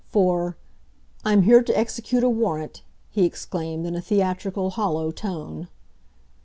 For, "I'm here to execute a warrant!" he exclaimed in a theatrical, hollow tone.